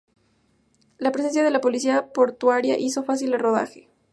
La presencia de la policia portuaria hizo fácil el rodaje.